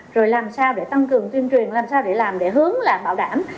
rồi làm sao để tăng cường tuyên truyền làm sao để làm để hướng là bảo đảm